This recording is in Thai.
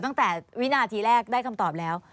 ตั้งแต่วินาทีแรกได้คำตอบแล้ว